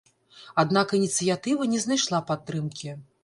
Аднак ініцыятыва не знайшла падтрымкі.